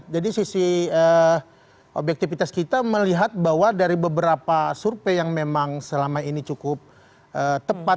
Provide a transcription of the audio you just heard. jadi sisi objektivitas kita melihat bahwa dari beberapa survei yang memang selama ini cukup tepat